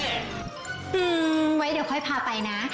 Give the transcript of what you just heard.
อืมไว้เดี๋ยวค่อยพาไปนะ